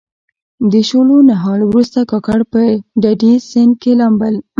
د شولو نهال وروسته کاکړ په ډډي سیند کې لامبل.